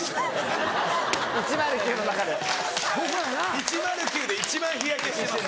１０９で一番日焼けしてます。